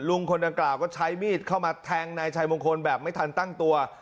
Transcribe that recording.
คนดังกล่าวก็ใช้มีดเข้ามาแทงนายชายมงคลแบบไม่ทันตั้งตัว